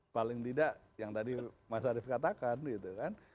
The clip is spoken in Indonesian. paling tidak yang tadi mas arief katakan gitu kan